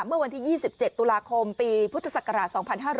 เมื่อวันที่๒๗ตุลาคมปีพุทธศักราช๒๕๕๙